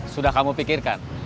sudah kamu pikirkan